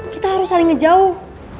kita harus saling ngejauh